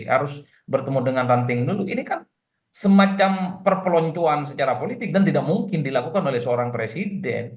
harus bertemu dengan ranting dulu ini kan semacam perpeloncuan secara politik dan tidak mungkin dilakukan oleh seorang presiden